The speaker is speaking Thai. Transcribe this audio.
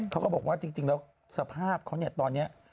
เขาก็บอกว่าจริงแล้วสภาพเขาเนี่ยตอนนี้